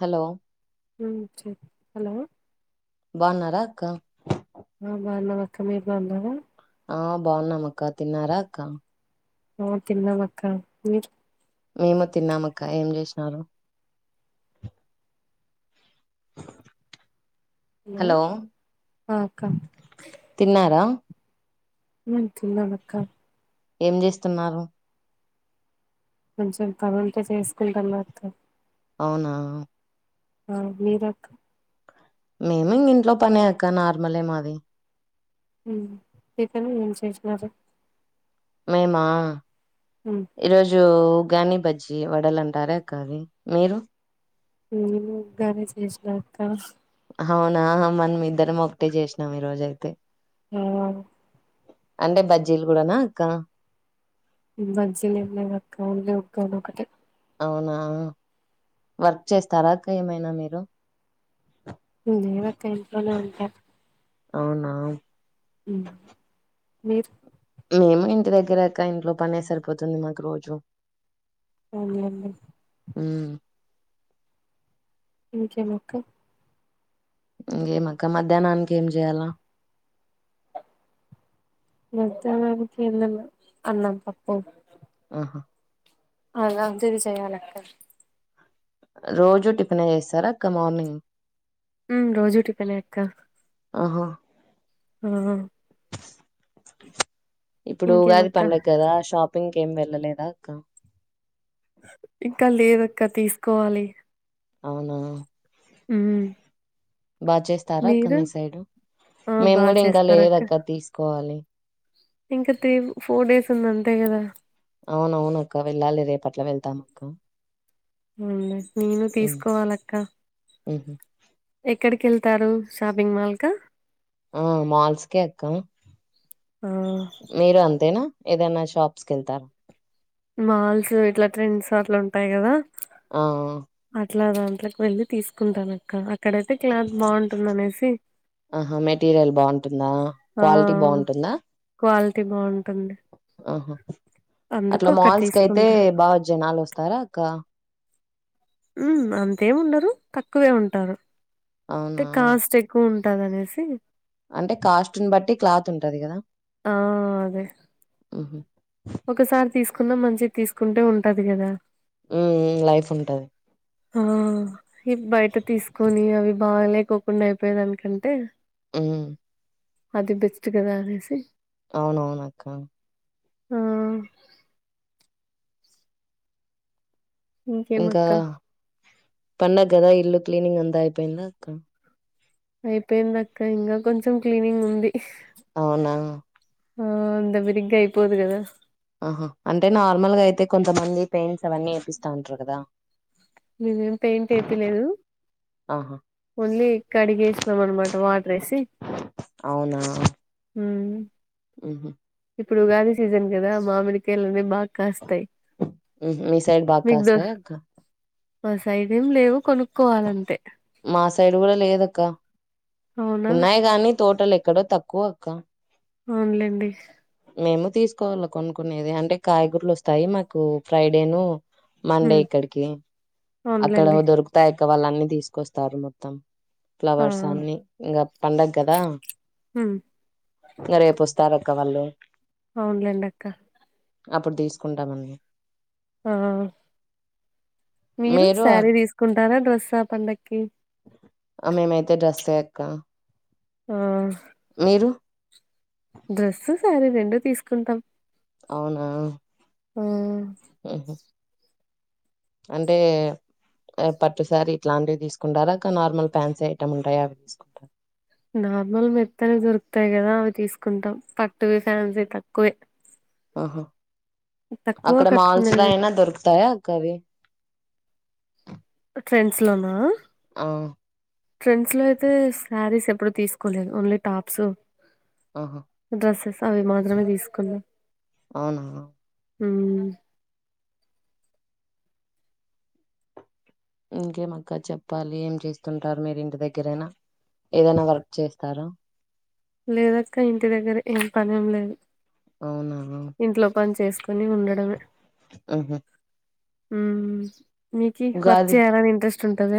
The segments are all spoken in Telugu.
హలో హలో బావున్నార అక్క ఆ బవునం అక్క మీరు బావున్నారా. ఆ బాగున్నాం అక్క తిన్నారా అక్క ఆ తిన్న మక్క మీ మేము తిన్నామక్క ఏం చేసినారు హలో ఆ అక్క తిన్నారా తిన్నాం అక్క ఏం చేస్తున్నారు కొంచెం పనుంటే చేసుకుంటాం అక్క అవునా ఆ మీరక్క మేము ఇంగ ఇంట్లో పనే అక్క నార్మలే మాది. ఉ ఏం కర్రీ ఏం చేసినారు మేమా ఉమ్ ఈరోజు ఉగ్గాని బజ్జి వడలంటారెఆకా ఆది మీరు ఉగ్గానే చేసినాక్క అవునా మనం ఇద్దరం ఒకటే చేసినాం ఈ రోజైతే. అవును అంటే బజ్జీలు కూడానా అక్క బజ్జీలేం లేవక్కా ఓన్లీ ఉగ్గాని ఓక్కటే అవునా వర్క్ చేస్తారా అక్క ఏమైనా మీరు. లేదక్క ఇంట్లోనే ఉంటా అవునా హ మీరు మేము ఇంటి దగ్గరేక్క ఇంట్లో పనే సరిపోతుంది మాకు రోజు అవునండి హ్మ్ ఇంకేం అక్క ఇంగేం అక్క మధ్యాహ్నానికి ఏం చేయాలా మథ్యాన్నానికి ఏం అన్నం పప్పు ఆహా అలా అంతది చేయాలక్కే రోజు టిఫినే చేస్తారాక్క మార్నింగ్ హ్మ్ రోజూ టిఫినే అక్క ఆహా ఆ ఇప్పుడు ఉగాది ఇంకేమక్క పండగ కదా షాప్ ప్పింగ్ ఏం వెళ్ళలేదా అక్క ఇక్కడ్ లేదక్కా తీసుకోవాలి అవునా హ్మ్ బా చేస్తారా అక్క మీరు మీ సైడ్ ఆ మేము బాగా కూడా ఇంకా చేస్తారక్క. లేదక్కా తీసుకోవాలి ఇంకా త్రీ ఫోర్ డేస్ ఉంది అంతే గదా అవునవును అక్క వెళ్ళాలి రేపు పట్నం వెళ్తాం అక్క హ్మ్ నేను ఉమ్ తీసుకోవాలక్క ఉహు ఎక్కడి కెళ్తారు షాపింగ్ మాల్ క ఆ మాల్స్కే అక్క ఆ మీరు అంతేనా ఏదైనా షాప్స్ కి వెళ్తారా మాల్స్ ఇట్లా ట్రెండ్స్ అట్లా ఉంటాయి కదా ఆ అట్లా దాంట్లోకి వెళ్ళి తీసుకుంటాను అక్క ఆహా మెటీరియల్ బావుంటుందా క్వాలిటీ బావుంటుందా టీ బావుంటుంది ఆహా అట్లా మాల్స్కైతే తీసుకుంటా. బా జనాలు వస్తారా అక్క హ్మ్ అంతేమి ఉండరు తక్కువే ఉంటారు తె అవునా కాస్టెక్కువు ఉంటదనేసి అంటే కాస్ట్ని బట్టి క్లాత్ ఉంటది కదా ఆ అదే ఉహు ఒకసారి తీసుకున్న మంచిది తీసుకుంటే ఉంటది గదా హ్మ్ మ్మ్ లైఫ్ ఉంటది ఆ ఈ బయట తీసుకొని అవి బాగాలేకోకుండా అయిపోయేదానికంటే మ్మ్ అది బెస్ట్ కదా అనేసి అవునవునక్కా ఆ ఇంకేం అక్క పన్న కదా ఇల్లు క్లీనింగ్ అంతా అయిపోయిందా అక్కా అయిపోయిందిక్క ఇంకా కొంచెం క్లీనింగ్ ఉంది అవునా ఆ అంతా బిరిగ్గా అయిపోదు కదా ఆహా అంటే నార్మల్ గా అయితే కొంతమంది పెయింట్స్ అవన్నీ ఏపిస్తా ఉంటారు కదా మీవేం పెయింట్ ఏపిలేదు ఆహా! ఓన్లీ కడిగేసినం అన్నమాట వాటర్ వేసి అవునా! మ్మ్ హుహు. ఇప్పుడు ఉగాది సీజన్ క దా మామిడికాయల్ని బా మీ సైడ్ బాగా కాస్తాయ అక్కా సైదేం లేవు కొనుక్కోవాలంతే మా సైడ్ కూడా లేదక్క అవునా ఉన్నాయి గానీ తోటలు ఎక్కడో తక్కువ అక్క అవునులేండి మేము తీసుకోవాల కొనుకునేది అంటే కాయగూరలు వస్తాయి మాకు ఫ్రైడే ను మండే ఉమ్ ఇక్కడికి అక్కడ అవునులేండి. దొరుకుతాయి ఇక వాళ్ళ అన్ని తీసుకొస్తారు మొత్తం ఆ! ఫ్లవర్స్ అన్ని ఇంకా పండుగ కదా మ్మ్ నరే పుస్త రక్క వళ్ళు అవునులేండక్క అప్పుడు తీసుకుంటామన్ని ఆ మీరు శారీ తీసుకుంట్ రారా దస పండక్కి ఆ మేమైతే డ్రెస్ ఎ అక్కా ఆ డ్రెస్సు సారీ రెండు తీసుకుంటాం అవునా ఆ మ్మ్ హ్మ్ అంటే పట్టుసారి ఇట్లాంటివి తీసుకుంటారా అక్క నార్మల్ ఫ్యాన్సీ ఐటెమ్ ఉంటాయా అవి తీసుకుంటార నార్మల్ మెత్తలు దొరుకుతాయి కదా అవి తీసుకుంటాం పట్టువి ఫ్యాన్స్ వి తక్కువే ఓహో తక్కువ అక్కడ మాల్స్ లో కట్టుకునేది. అయినా దొరుకుతాయా కర్రీ ట్రెండ్స్ లోన ఆ ట్రెండ్స్ లో అయితే శారీస్ ఎప్పుడు తీసుకోలేదు ఓన్లీ టాప్స్ ఆహా డ్రెసెస్ అవి మాత్రమే తీసుకున్నా అవునా హమ్ ఇంకేం అక్క చెప్పాలి ఏం చేస్తుంటారు మీరు ఇంటి దగ్గరేనా ఏదైనా వర్క్ చేస్తారా లేదక్క ఇంటి దగ్గర ఏం పన్నిం లేదు అవునా ఇంట్లో పని చేస్త కొని ఉండడం మే ఆహా ఉమ్ మీకి వర్క్ ఉగాది చేయాలి అనే ఇంట్రెస్ట్ చుంటద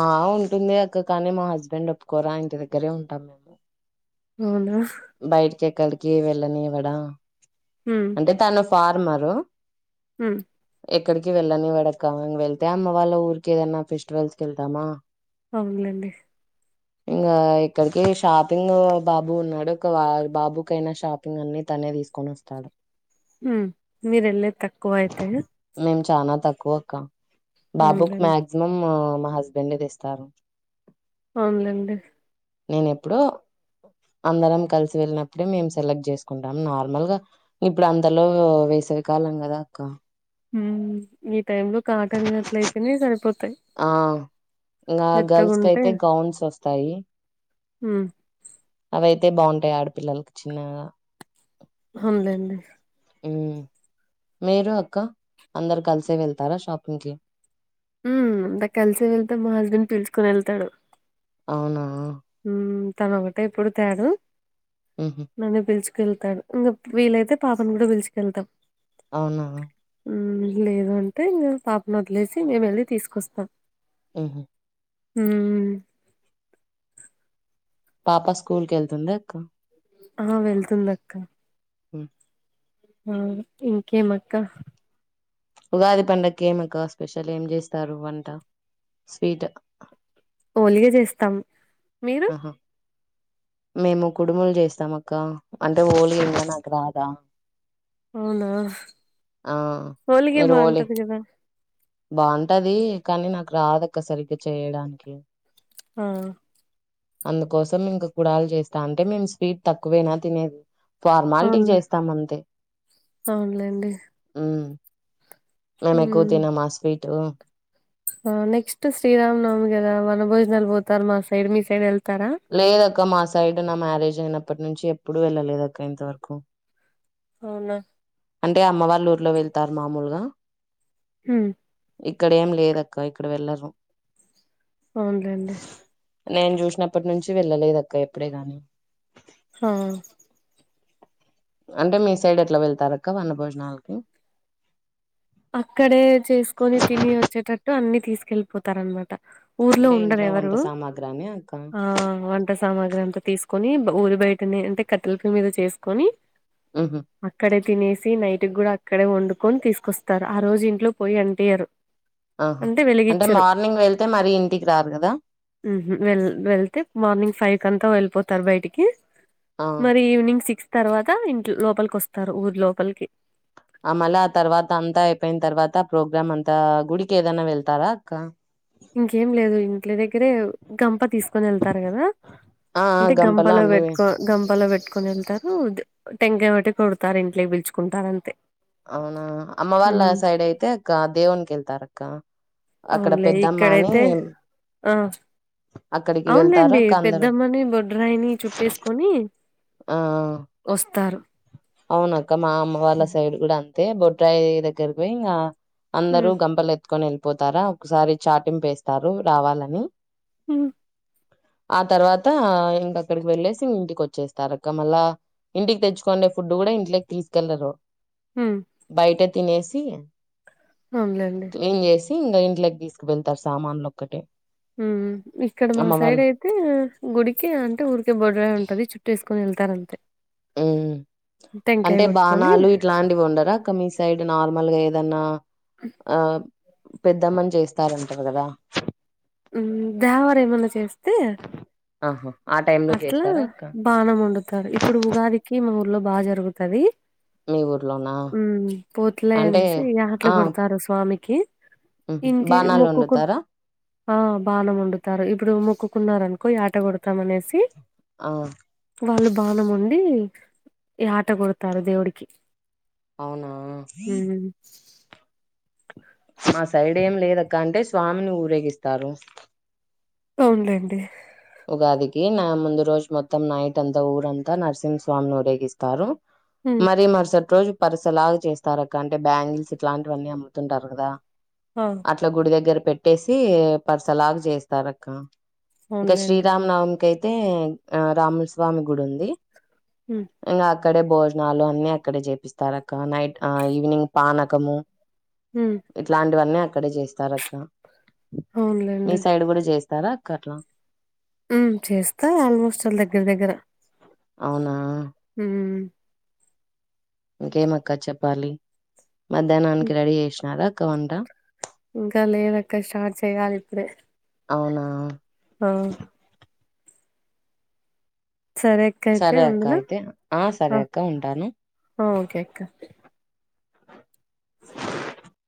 ఆ ఉంటుంది అక్క కాని మా హస్బెండ్ ఒప్పుకోరా ఇంటి దగ్గరే ఉంటాం మేము అవునా బయటికి ఎక్కడికి వెళ్ళ నివ్వాడ అంటే తను ఫార్మరు హమ్ ఎక్కడికి వెళ్ళనివ్వడు అక్క వెళ్తే అమ్మ వాళ్ళ ఊరికి ఏదైనా ఫెస్టివల్స్కి వెళ్తామా అవునులేండి ఇంగ ఇక్కడికి షాపింగ్ బాబు ఉన్నాడు ఒక బాబుకయినా షాపింగ్ అన్ని తనే తీసుకొని వస్తాడు హ్మ్ మీర్ వేలేది తక్కువ అయితే మేము చాల తక్కువ అక్క నా బుక్ అవునులేండి మ్యాక్సిమమ్ మా హస్బెండే తెస్తారు అవున్లేండి నేన ఎప్పుడ అందరం కలిసి వెళ్ళినప్పుడే మేము సెలెక్ట్ చేసుకుంటాం నార్మల్ గా ఇప్పుడు అంతలో వేసేవి కాలం కదా అక్క మ్మ్ ఈ టైమ్ లో కాటన్ బట్టలు అయితేనే సరిపోతాయి ఆ ఇంకా మెత్తగా గర్ల్స్ క ఉంటే అయితే గౌన్స్ వస్తాయి మ్మ్ అవి అయితే అయితే బాగుంటాయి ఆడపిల్లలకి చిన్నగా హంలేండి మీరు అక్క అందరు కలిసే వెళ్తారా షాపింగ్కిి ఉ అంతా కలిసి వెళ్తే మా హస్బెండ్ పిలుచుకుని వెళ్తాడు అవునా ఉం తనోకటే పుడతాడు మ్హూ నన్నే పిల్చ్ కెళ్తాడు ఇంకా వీలైతే పాపను కూడా పిలుచుకెళ్తాం అవునా లేదు అంటేే ఇంకా పాపను వదిలేసి మేము వెళ్ళి తీసుకొస్తాం ఆహా హ పాప స్కూల్ కి వెళ్తుందా అక్క ఆహా వెళ్తుంది అక్క హ ఉమ్ ఇంకేమక్క ఉగాది పండకి ఏమీ అక్క స్పెషల్ ఏం చేస్తారు వంట స్వీట్ ఓలిగా చేస్తాం మీరు ఆహా మేము కుడుములు చేస్తాం అక్క అంటే హోలీ ఏంద నాకు రాదా అవునా ఆ హోలీగేమ్ మీరు ఓలి బాగుంటది కదా బాగుంటది కానీ నాకు రాదుక్క సరిగ్గా చేయడానికి ఆ అందుకోసం ఇంకా కుడాలు చేస్తా అంటే మేము స్పీడ్ తక్కువేనా తినేది ఫార్మాలిటీకి అవునులే చేస్తాం అంతే అవునులేండి ఉమ్మ్ మేం ఎక్కువ ఉమ్ తినము ఆ స్వీట్ తు ఆ నెక్స్ట్ శ్రీరామ్ నవమి కదా వనభోజనాలు పోతారు మా సైడ్ మీ సైడ్ ఎల్ తార ఇక మా సైడ్ నా మ్యారేజ్ అయినప్పటి నుంచి ఎప్పుడు వెళ్ళలేదు అక్క ఇంతవరకు అవునా అంటే అమ్మ వాళ్ళ ఊర్లో వెళ్తారు మామూలుగా హ్మ్ ఇక్కడ ఏం లేదక్క ఇక్కడ వెళ్ళరు అవును లెండీ నేను చూసినప్పటి నుంచి వెళ్ళలేదు అక్క ఎప్పుడే గాని ఆ అంటే మీ సైడ్ ఎట్లా వెళ్తారు అక్క వన్న భోజనాలకి అక్కడే చేసుకొని తిని వచ్చేటట్టు అన్ని తీసుకెళ్ళిపోతారనమాట ఊర్లో అంటే ఉండరు ఇంట్లో వంట ఎవరు సామాగ్రి అని అక్క ఆ వంట సామాగ్రి అంతా తీసుకొని బా ఊరి బయటనే అంటే కట్టలిపి మీద చేసుకొని హుహు. అక్కడే తినేసి నైట్ కూడా అక్కడే వండుకొని తీసుకొస్తా తారు ఆ రోజు ఇంట్లో పోయి అంటియారు ఆహా అంటే వెలిగిచ్చరు మార్నింగ్ వెళ్తే మరి ఇంటికి రారు కదా హు హుమ్ వె వెళ్తే మార్నింగ్ ఫైవ్ కంత వెల్ పోతార బయటికి ఆ మరి ఈవినింగ్ సిక్స్ తర్వాత ఇంట్ లోపలికి వస్తారు ఊరి లోపలికి అంత అయిపోయిన తర్వాత ప్రోగ్రామ్ అంతా గుడికి ఏదైనా వెళ్తారా అక్క ఇంకేం లేదు ఇంట్లే దగ్గరే గంప తీసుకొని వెళ్తారు కదా ఆ ఆ అంటే గంపలో అన్ని పెట్టుకో గంపలో పెట్ కొని వెళ్తారు టెంకాయ బటి కొడతారు ఇంట్లోకి పిలుచుకుంటారు అంతే అవునా అమ్మ వాళ్ళ ఉమ్ సైడ్ అయితే అక్క దేవున్ కి వెళ్తారు కా అవునులే ఇక్కడైతే ఆ అక్కడికి వెళ్తారు అవునులేండి అక్క అందరూ పెద్దమ్మని బొడ్రాయిని చుట్టేసుకొని ఆ ఆ తారు అవునా క్ క్క మా అమ్మ వాళ్ళ సైడ్ కూడా అ తే బొడ్రాయి దగ్గరకిపోయి ఇంగ అందరూ హ్మ్. గంపలెత్తు కొని వెళ్ళిపోతారా ఒకసారి చాటింప్ వేస్తారు రావాలని హు ఆ తర్వాత్ తా ఇంక అక్కడికి వెళ్లేస్ టీం ఇంటికి వచ్చేస్తారు అక్క మళ్ళా ఇంటికి తెచ్ కొన్న ఫుడ్ కూడా ఇంట్లోకి తీసుకెళ్లరు హ్మ్. బయట తినేసి అవునులేండి క్లీన్ చేసి ఇంగ ఇంట్లోకి తీసుకు వెళ్తారు సామాన్లు ఒక్కటే ఉమ్ ఇక్కడ మా అమ్మ సైడ్ వాళ్ళు అయితే గుడికి అంటే ఊరికే బొడ్రాయి ఉంటది చుట్టూ వేసుకొని వెళ్ తారు అంతే ఉమ్ అంటే గొట్టుకొని బాణాలు ఇట్లాంటివి ఉండరా అక్క మీ సైడ్ నార్మల్ గా ఏదన్నా ఆ పెద్దమ్మని చేస్తారంటారు కదా ఉమ్ దేవర ఏమన్నా చేస్ తే ఆహా ఆ టైమ్ లో అట్లా చేస్తారా అక్క బాణం వండుతారు ఇప్పుడు ఉగాదికి మా ఊర్లో బా జరుగుతది మీ ఊర్లోనా ఉమ్ పోతుల అంటే అనేసి ఆటలు ఆ కొడతారు స్వామికి బాణాలు వండుతారా హ బానం వండుతారు ఇప్పుడు మొక్కున్నారు, అనుకో యాట కొడు మనేసి ఆ వాళ్ళు బాణం వండి యాట కొడతారు దేవుడికి అవునా హ్మ్. ఆ సైడ్ ఏం లేదక్క అంటే స్వామిని ఊరేగిస్తారు. అవునులేండి ఉగాదికి నా ముందు రోజు మొత్తం నైట్ అంతా ఊరంతా నరసింహస్వామిని ఊరేగిస్తారు. హ్మ్. మరి మరుసటి రోజు పరిసలాగా చేస్తారు అక్క అంటే బ్యాంగిల్స్ ఇట్లాంటివన్నీ అమ్ముతుంటారు కదా. ఆ అట్లా గుడి దగ్గర పెట్టేసి పర్సలాగ చేస్తారు అక్క. ఇంకా అవునులేండి శ్రీరామ్ నవమికి ఐతే అయితే ఆ రాముస్వామి గుడి ఉంది. ఉ అ అక్కడే భోజనాలు అన్ని అక్కడే చేపిస్తారు. అక్క నైట్ ఈవినింగ్ పానకము ఉ ఇట్లాంటివన్నీ అక్కడే చేస్తార అక్క అవునులేండి తరా కట్లాం హు చేస్తా ఆల్మోస్ట్ వాళ్ళ దగ్గర దగ్గర అవునా ఉమ్ ఇంకేమక్క చెప్పాలి. మధ్యాహ్నానికి రెడీ చేసినార వంట ఇంకా లేదక్క స్టార్ట్ చెయాలి ఇప్పుడే అవునా ఆ సరే అక్క అయితే సరే అక్క ఉందినా అయితే ఆ సరే అక్క ఉంటాను ఓకే అక్క. [inaudible]